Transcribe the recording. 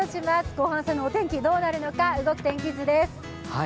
後半戦のお天気どうなるのか動く天気図です。